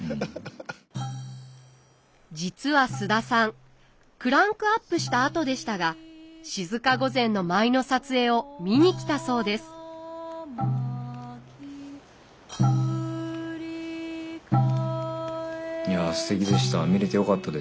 実は菅田さんクランクアップしたあとでしたが静御前の舞の撮影を見に来たそうですくり返しいやすてきでした。